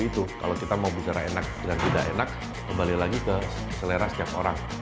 jadi kalau kita mau bicara enak dengan tidak enak kembali lagi ke selera setiap orang